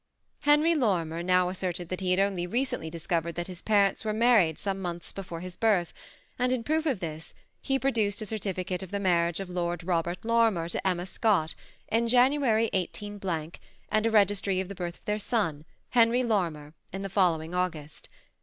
Henry Lorimer now asserted that he had only recently discovered that his parents were married some months before his birth ; and in proof of this he produced a certificate of the marriage of Lord Robert Lorimer to Emma Scot, in January 18^ and a registry of the birth of their son, Henry Lorimer, in the following August.